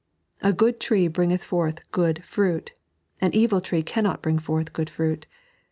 A good tree bringeth forth good fruit ; an evil tree cannot bring forth good fruit.